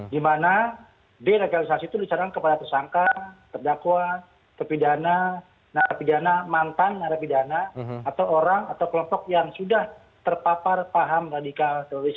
di mana deradikalisasi itu dicarikan kepada tersangka terdakwa terpidana narapidana mantan narapidana atau orang atau kelompok yang sudah terpapar paham radikal teroris